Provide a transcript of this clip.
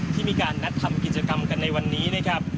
ที่มีการนัดทำกิจกรรมกันในวันนี้นะครับ